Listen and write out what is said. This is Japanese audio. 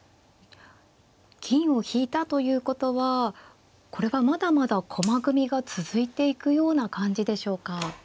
銀を引いたということはこれはまだまだ駒組みが続いていくような感じでしょうか。